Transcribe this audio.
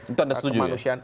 itu anda setuju ya